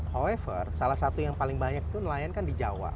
however salah satu yang paling banyak itu nelayan kan di jawa